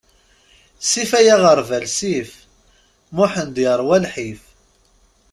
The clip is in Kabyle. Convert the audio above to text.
Sif ay aɣerbal, sif; Muḥend yerwa lḥif!